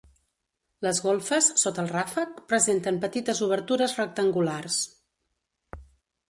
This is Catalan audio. Les golfes, sota el ràfec, presenten petites obertures rectangulars.